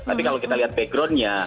tapi kalau kita lihat backgroundnya